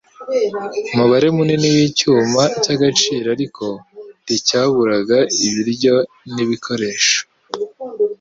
umubare munini wicyuma cyagaciro ariko nticyaburaga ibiryo nibikoresho .